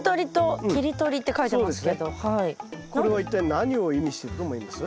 これは一体何を意味してると思います？